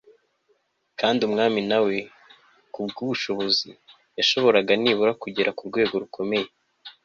kandi umwami nawe kubw'ubushishozi yashoboraga nibura kugera ku rwego rukomeye